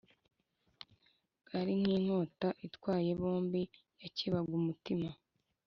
bwarinkinkota ityaye hombi yakebaga umutima